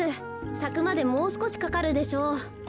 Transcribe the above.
さくまでもうすこしかかるでしょう。